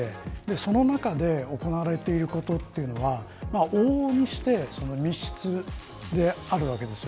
その中で行われていることというのは往々にして密室であるわけです。